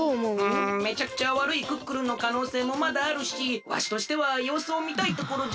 うんめちゃくちゃわるいクックルンのかのうせいもまだあるしわしとしてはようすをみたいところじゃが。